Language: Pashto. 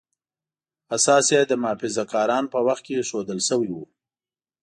اساس یې د محافظه کارانو په وخت کې ایښودل شوی و.